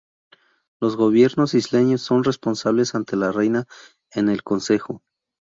Los gobiernos isleños son responsables ante la reina en el Consejo.